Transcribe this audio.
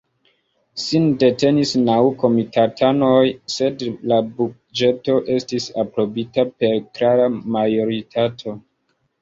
Sin detenis naŭ komitatanoj, sed la buĝeto estis aprobita per klara majoritato.